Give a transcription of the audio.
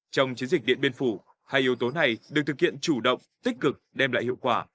trong chiến dịch điện biên phủ hai yếu tố này được thực hiện chủ động tích cực đem lại hiệu quả